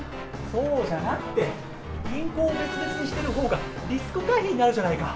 そうじゃなくて、銀行を別々にしてるほうがリスク回避になるじゃないか。